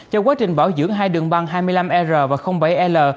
cho quá trình bảo dưỡng hai đường băng hai mươi năm r và bảy l